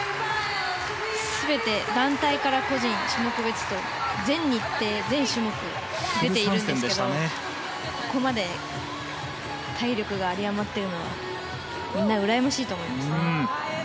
全て団体から個人種目別と全日程、全種目出ているんですけれどもここまで体力が有り余っているってみんなうらやましいと思います。